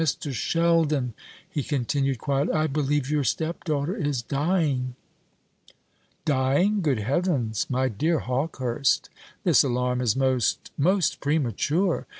"Mr. Sheldon," he continued quietly, "I believe your stepdaughter is dying." "Dying! Good heavens! my dear Hawkehurst, this alarm is most most premature.